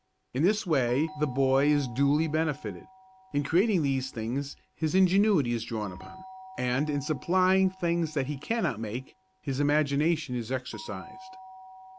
In this way the boy is duly benefited: in creating these things his ingenuity is drawn upon, and, in supplying things that he cannot make, his imagination is exercised.